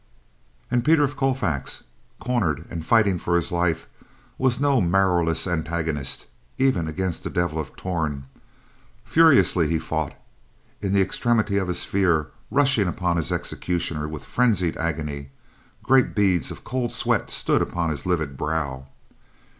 And Peter of Colfax, cornered and fighting for his life, was no marrowless antagonist, even against the Devil of Torn. Furiously he fought; in the extremity of his fear, rushing upon his executioner with frenzied agony. Great beads of cold sweat stood upon his livid brow.